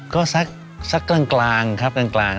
ก็สักกลางครับกลาง